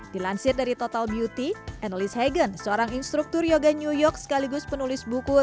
dilansir dari total beauty analis hagen seorang instruktur yoga new york sekaligus penulis buku